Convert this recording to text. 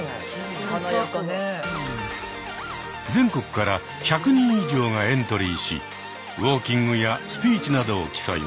全国から１００人以上がエントリーしウォーキングやスピーチなどを競います。